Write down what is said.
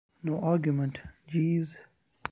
No argument, Jeeves.